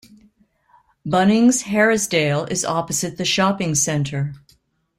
Bunnings Harrisdale is opposite the shopping centre.